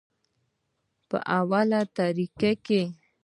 پۀ اوله طريقه کښې